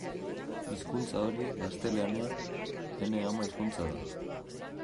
Hizkuntza hori, gaztelania, ene ama-hizkuntza da.